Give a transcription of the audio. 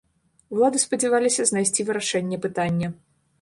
Улады спадзяваліся знайсці вырашэнне пытання.